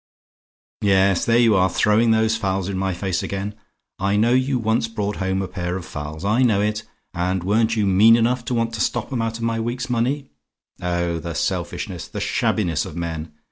"Yes; there you are, throwing those fowls in my face again! I know you once brought home a pair of fowls; I know it: and weren't you mean enough to want to stop 'em out of my week's money? Oh, the selfishness the shabbiness of men!